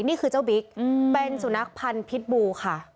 นี่คือเจ้าบิ๊กเป็นสุนัขพันธ์พิษบูค่ะ